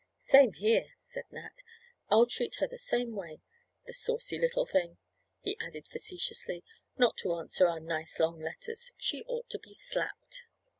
"Same here," said Nat. "I'll treat her the same way. The saucy little thing," he added facetiously, "not to answer our nice long letters. She ought to be slapped."